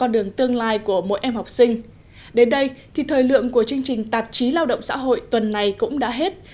đến đây thì thời lượng của chương trình tạp chí lao động xã hội tuần này cũng đã hết